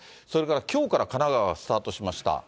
それから、きょうから神奈川はスタートしました。